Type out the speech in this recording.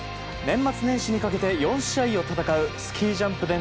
年末年始にかけて４試合を戦うスキージャンプ